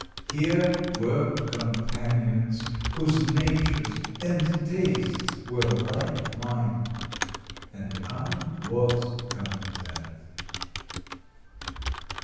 Here were companions, whose natures and tastes were like mine, and I was content.